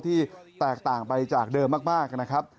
ที่แตกต่างไปจากเดิมมากนะครับ